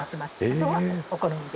あとはお好みで。